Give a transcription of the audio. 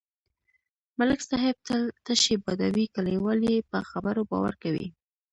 ملک صاحب تل تشې بادوي، کلیوال یې په خبرو باور کوي.